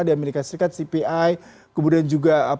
di amerika serikat cpi kemudian juga